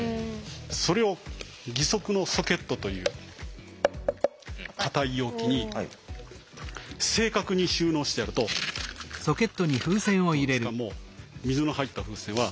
それを義足のソケットという硬い容器に正確に収納してやるとどうですかもう水の入った風船は。